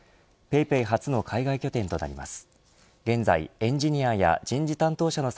ＰａｙＰａｙ初の海外拠点となります。